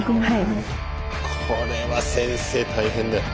これは先生大変だよ。